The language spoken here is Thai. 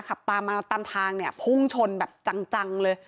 ขับตามมาตามทางเนี่ยพุ่งชนแบบจังเลย